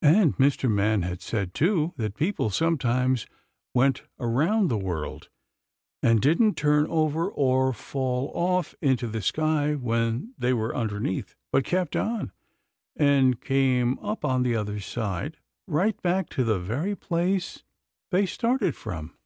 And Mr. Man had said, too, that people sometimes went around the world, and didn't turn over or fall off into the sky when they were underneath, but kept on, and came up on the other side, right back to the very place they started from.